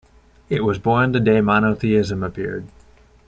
It was born the day monotheism appeared.